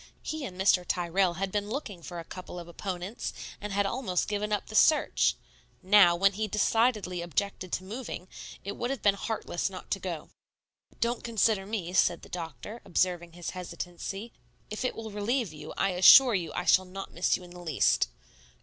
He and Mr. Tyrrell had been looking for a couple of opponents, and had almost given up the search. Now, when he decidedly objected to moving, it would have been heartless not to go. "Don't consider me," said the doctor, observing his hesitancy. "If it ill relieve you, I assure you I shall not miss you in the least."